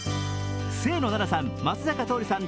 清野菜名さん、松坂桃李さん